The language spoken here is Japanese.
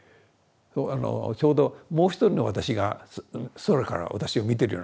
ちょうどもう一人の私が空から私を見てるような感じ。